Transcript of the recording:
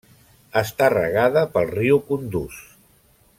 Està regada pel riu Kunduz.